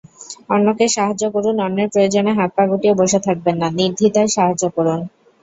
অন্যকে সাহায্য করুনঅন্যের প্রয়োজনে হাত-পা গুটিয়ে বসে থাকবেন না, নির্দ্বিধায় সাহায্য করুন।